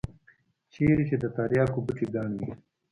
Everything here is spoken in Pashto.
چېرته چې د ترياکو بوټي گڼ وي.